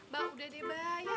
ba udah deh ba